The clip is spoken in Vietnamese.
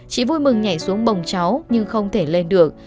chị vui mừng nhảy xuống bồng cháu nhưng không thể lên được